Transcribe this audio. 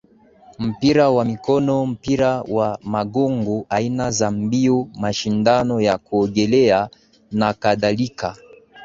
mpira wa mikono mpira wa magongo aina za mbio mashindano ya kuogelea nakadhalika